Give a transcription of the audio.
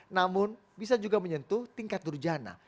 namun bisa juga menyentuh tingkat durjana